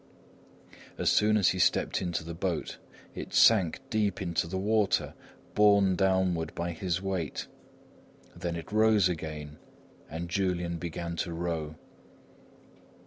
As soon as he stepped into the boat, it sank deep into the water, borne downward by his weight; then it rose again and Julian began to row.